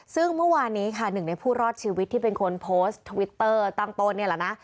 ซึ่งเมื่อวานนี้ค่ะหนึ่งในผู้รอดชีวิตที่เป็นคนโพสต์ทวิตเตอร์ตั้งต้นนี่แหละนะ